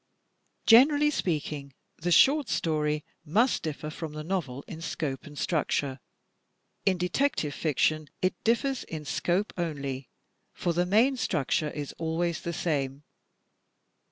Generally speaking, the short story must differ from the novel in scope and structure. In detective fiction it differs in scope only; for the main structure is always the same.